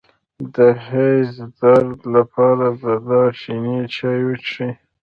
د حیض د درد لپاره د دارچینی چای وڅښئ